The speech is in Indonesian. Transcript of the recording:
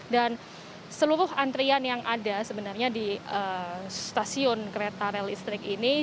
dan seluruh antrean yang ada sebenarnya di stasiun kereta rel listrik ini